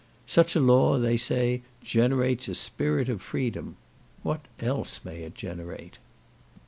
Such a law, they say, generates a spirit of freedom. What else may it generate?